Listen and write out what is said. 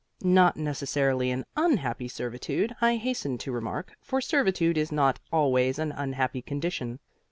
Not necessarily an unhappy servitude, I hasten to remark, for servitude is not always an unhappy condition.